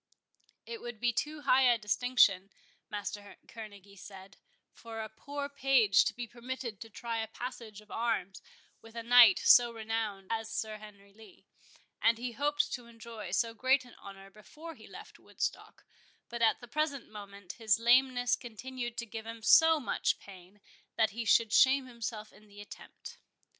It would be too high a distinction, Master Kerneguy said, for a poor page to be permitted to try a passage of arms with a knight so renowned as Sir Henry Lee, and he hoped to enjoy so great an honour before he left Woodstock; but at the present moment his lameness continued to give him so much pain, that he should shame himself in the attempt.